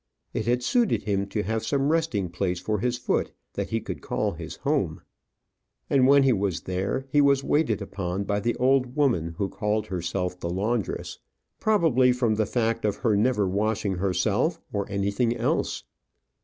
It had suited him to have some resting place for his foot, that he could call his home; and when he was there, he was waited upon by the old woman who called herself the laundress probably from the fact of her never washing herself or anything else.